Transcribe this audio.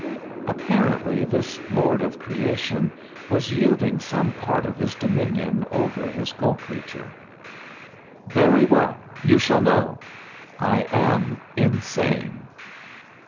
Apparently this lord of creation was yielding some part of his dominion over his co creature. "Very well, you shall know: I am insane."